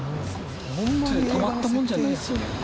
ホントにたまったもんじゃないですよね。